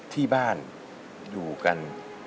ที่บ้านอยู่กัน